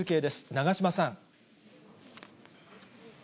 永島さん。